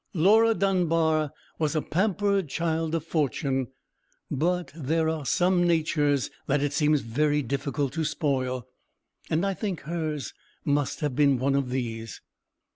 Laura Dunbar was a pampered child of fortune: but there are some natures that it seems very difficult to spoil: and I think hers must have been one of these.